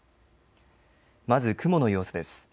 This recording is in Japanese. まず雲の様子です。